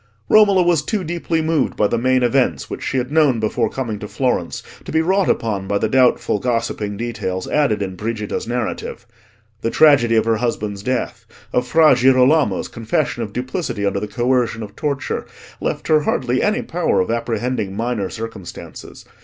Romola was too deeply moved by the main events which she had known before coming to Florence, to be wrought upon by the doubtful gossiping details added in Brigida's narrative. The tragedy of her husband's death, of Fra Girolamo's confession of duplicity under the coercion of torture, left her hardly any power of apprehending minor circumstances.